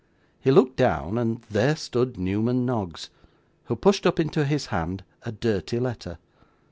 He looked down, and there stood Newman Noggs, who pushed up into his hand a dirty letter.